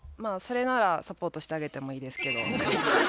それならサポートしてあげてもいいですけど。